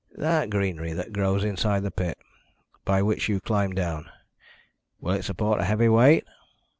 "That greenery that grows inside the pit, by which you climbed down, will it support a heavy weight?"